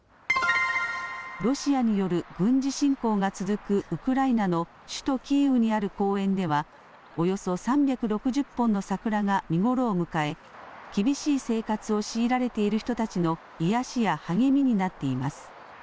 ロシアによる軍事侵攻が続くウクライナの首都キーウにある公園ではおよそ３６０本の桜が見頃を迎え厳しい生活を強いられている人たちの癒やしや励みになっています。